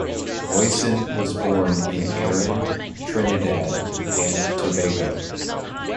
Voisin was born in Erin, Trinidad and Tobago.